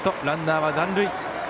ランナーは残塁。